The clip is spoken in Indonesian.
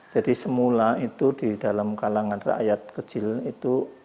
jadi semula itu di dalam kalangan rakyat kecil itu